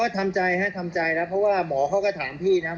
ทำใจนะเพราะว่าหมอเขาก็ถามพี่นะ